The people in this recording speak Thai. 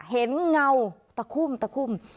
เห็นเงาตะคุ่มตะคุ่ม